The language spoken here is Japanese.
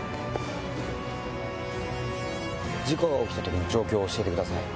事故が起きた時の状況を教えてください。